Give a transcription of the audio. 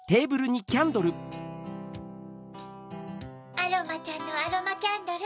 アロマちゃんのアロマキャンドル